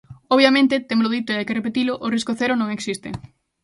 Obviamente –témolo dito e hai que repetilo–, o risco cero non existe.